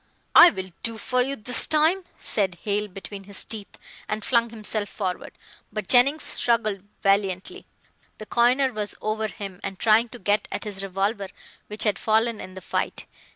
"I'll do for you this time," said Hale between his teeth, and flung himself forward, but Jennings struggled valiantly. The coiner was over him, and trying to get at his revolver which had fallen in the fight.